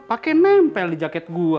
pakai nempel di jaket gue